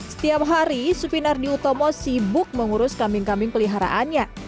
setiap hari supinardi utomo sibuk mengurus kambing kambing peliharaannya